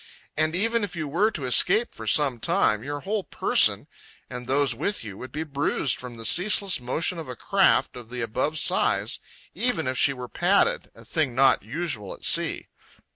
And even if you were to escape for some time, your whole Person, and those with you would be bruised from the ceaseless motion of a craft of the above size, even if she were padded, a thing not usual at sea."